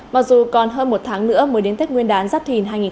mặc dù còn hơn một tháng nữa mới đến tết nguyên đán giáp thìn hai nghìn hai mươi bốn